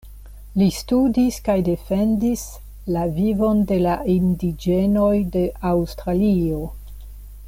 Li studis kaj defendis la vivon de la indiĝenoj de Aŭstralio.